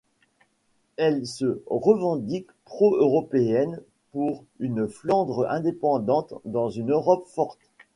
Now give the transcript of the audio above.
Elle se revendique pro-européenne pour une Flandre indépendante dans une Europe forte.